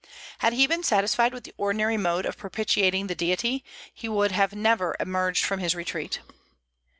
Had he been satisfied with the ordinary mode of propitiating the Deity, he would never have emerged from his retreat.